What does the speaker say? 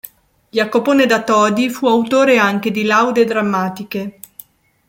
Jacopone da Todi fu autore anche di laude drammatiche.